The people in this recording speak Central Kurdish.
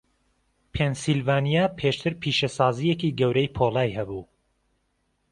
پێنسیلڤانیا پێشتر پیشەسازییەکی گەورەی پۆڵای هەبوو.